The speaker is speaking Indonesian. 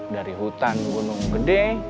dari hutan gunung gede